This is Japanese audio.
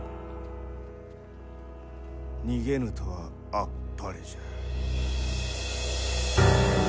逃げぬとはあっぱれじゃ。